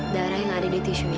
darah yang ada di tisu ini